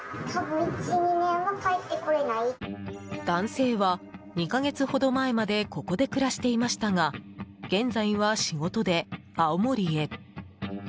男性は２か月ほど前までここで暮らしていましたが現在は仕事で青森へ。